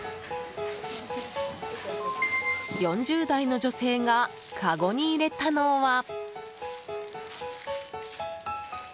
４０代の女性がかごに入れたのは。